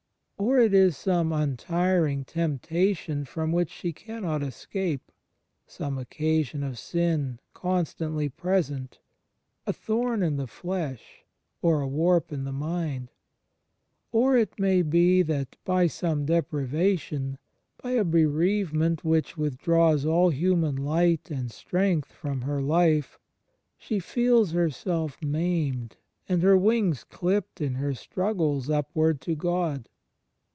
Or it is some untiring temp tation from which she cannot escape; some occasion of sin, constantly present, a thorn in the flesh, or a warp in the mind. Or it may be that, by some depriva tion, by a bereavement which withdraws all human light and strength from her hfe, she feels herself maimed and her wings cUpped in her struggles upward to God.